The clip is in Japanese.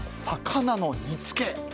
魚の煮つけ。